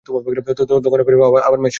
তখন রেফারি আবার ম্যাচ শুরু করে।